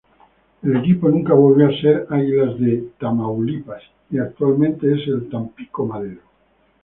El equipo nunca volvió a ser "Águilas de Tamaulipas" y actualmente es el Tampico-Madero.